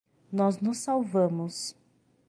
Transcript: Nós nos salvamos!